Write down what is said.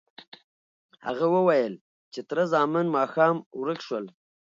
هغه وویل چې تره زامن ماښام ورک شول.